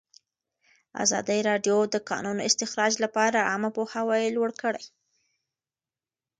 ازادي راډیو د د کانونو استخراج لپاره عامه پوهاوي لوړ کړی.